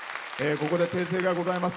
ここで訂正がございます。